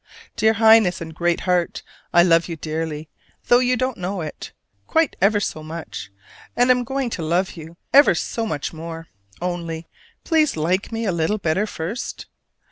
Dear Highness and Great Heart, I love you dearly, though you don't know it, quite ever so much; and am going to love you ever so much more, only please like me a little better first!